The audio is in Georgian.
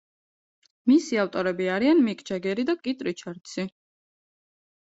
მისი ავტორები არიან მიკ ჯეგერი და კით რიჩარდსი.